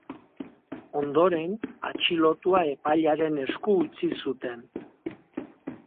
Ondoren, atxilotua epailearen esku utzi zuten.